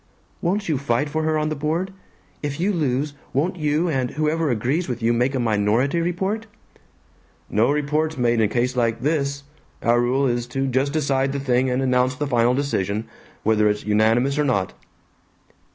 "Won't you fight for her on the board? If you lose, won't you, and whoever agrees with you, make a minority report?" "No reports made in a case like this. Our rule is to just decide the thing and announce the final decision, whether it's unanimous or not."